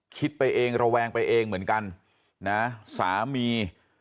คิดไปเองระแวงไปเองเหมือนกันนะสามี